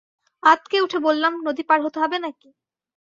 আঁতকে উঠে বললাম, নদী পার হতে হবে নাকি?